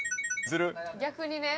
逆にね。